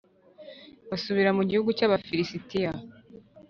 basubira mu gihugu cy Abafilisitiya